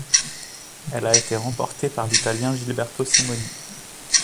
Elle a été remportée par l'Italien Gilberto Simoni.